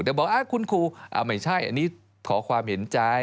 แต่บอกคุณครูไม่ใช่อันนี้ขอความเห็นใจ